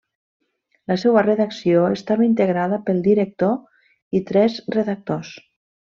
La seua redacció estava integrada pel director i tres redactors.